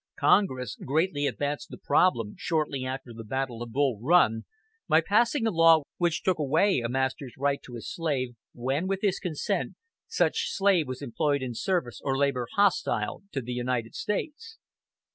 Congress greatly advanced the problem, shortly after the battle of Bull Run, by passing a law which took away a master's right to his slave, when, with his consent, such slave was employed in service or labor hostile to the United States.